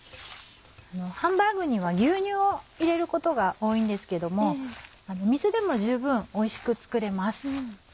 ハンバーグには牛乳を入れることが多いんですけども水でも十分おいしく作れます。